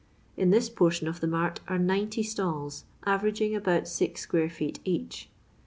In this portion of the mart are 90 stalls, aTersging about six square feet each.